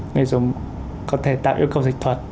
người dùng có thể tạo yêu cầu dịch thuật